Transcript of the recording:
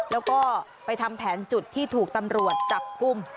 แล้วก็ไปทำแผนจุดที่ถูกตำรวจจับกลุ่ม